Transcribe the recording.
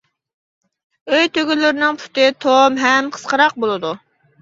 ئۆي تۆگىلىرىنىڭ پۇتى توم ھەم قىسقىراق بولىدۇ.